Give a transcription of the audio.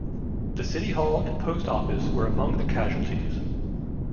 The city hall and post office were among the casualties.